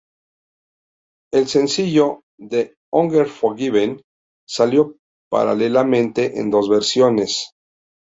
El sencillo "The Unforgiven" salió paralelamente en dos versiones.